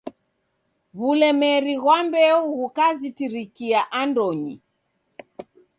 W'ulemeri ghwa mbeo ghukazitirikia andonyi.